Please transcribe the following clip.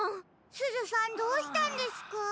すずさんどうしたんですか？